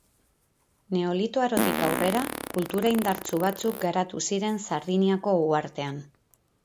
Neolito Arotik aurrera kultura indartsu batzuk garatu ziren Sardiniako uhartean.